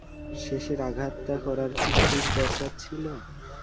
শেষের আঘাতটা করার কি খুব দরকার ছিলো?